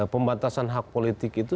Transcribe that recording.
pembatasan hak politik itu